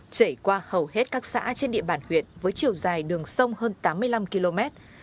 chảy qua hầu hết các xã trên địa bàn huyện với chiều dài đường sông hơn tám mươi năm km